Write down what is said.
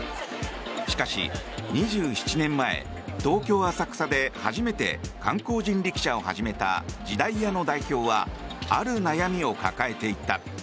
しかし、２７年前東京・浅草で初めて観光人力車を始めた時代屋の代表はある悩みを抱えていた。